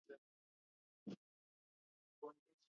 مه وایه سبا، وایه ان شاءالله.